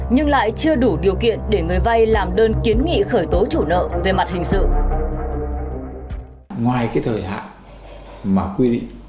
nhưng lại chưa đủ điều kiện để người vay làm đơn kiến nghị khởi tố chủ nợ về mặt hình sự